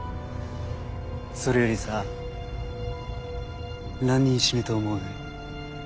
それよりさ何人死ぬと思う？